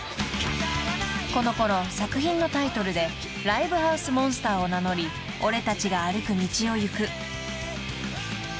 ［このころ作品のタイトルで「ライブハウスモンスター」を名乗り「俺達が歩く道」を行く］